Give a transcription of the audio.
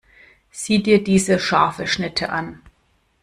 Sieh dir diese scharfe Schnitte an!